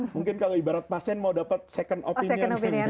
mungkin kalau ibarat pasien mau dapat second opinion